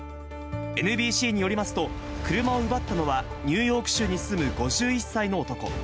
ＮＢＣによりますと、車を奪ったのは、ニューヨーク州に住む５１歳の男。